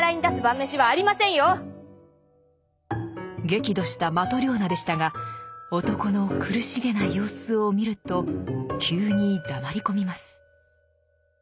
激怒したマトリョーナでしたが男の苦しげな様子を見ると急に黙り込みます。